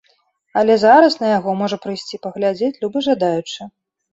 Але зараз на яго можа прыйсці паглядзець любы жадаючы.